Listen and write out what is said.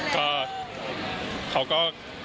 ก็เขาก็